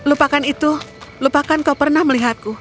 lupakan itu lupakan kau pernah melihatku